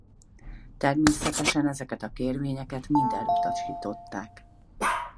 Természetesen ezeket a kérvényeket mind elutasították.